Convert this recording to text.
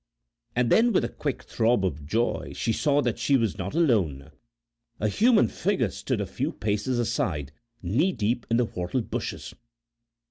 And then with a quick throb of joy she saw that she was not alone; a human figure stood a few paces aside, knee deep in the whortle bushes.